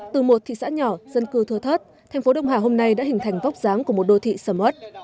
từ một thị xã nhỏ dân cư thừa thất thành phố đông hà hôm nay đã hình thành vóc dáng của một đô thị sầm ớt